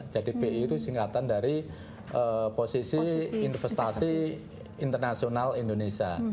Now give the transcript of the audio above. jadi pii itu singkatan dari posisi investasi internasional indonesia